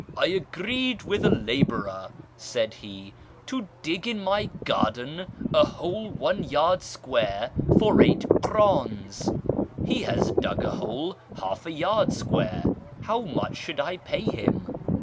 " I agreed with a labourer," said he, " to dig in my garden a hole one yard square for eight krdns : he has dug a hole half a yard square. How much should I pay him